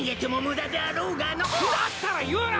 だったら言うな！